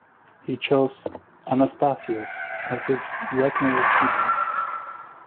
He chose "Anastasius" as his regnal name.